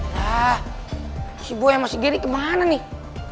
lah si boy sama si geri kemana nih